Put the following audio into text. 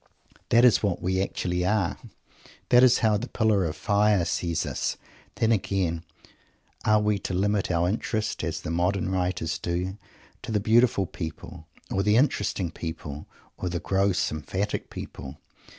That is what we actually are. That is how the Pillar of Fire sees us. Then, again, are we to limit our interest, as these modern writers do, to the beautiful people or the interesting people or the gross, emphatic people.